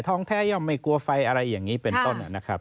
ท้องแท้ย่อมไม่กลัวไฟอะไรอย่างนี้เป็นต้นนะครับ